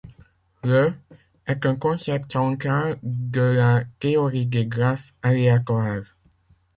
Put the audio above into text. Le est un concept central de la théorie des graphes aléatoires.